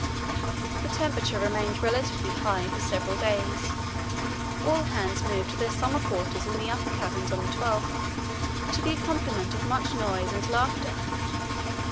The temperature remained relatively high for several days. All hands moved to their summer quarters in the upper cabins on the 12th, to the accompaniment of much noise and laughter.